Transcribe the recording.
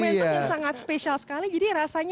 momentum yang sangat spesial sekali jadi rasanya